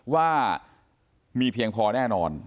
ว่ามีเพียงพอแน่นอน